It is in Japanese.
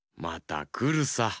またくるさ。